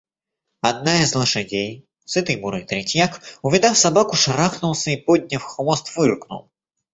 Одна из лошадей, сытый бурый третьяк, увидав собаку, шарахнулся и, подняв хвост, фыркнул.